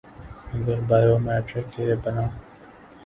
اگر biometric کے بنا